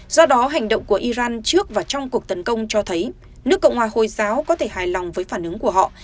do đó hành động của iran trước và trong cuộc tấn công cho thấy nước cộng hòa hồi giáo có thể hài lòng với phản ứng của họ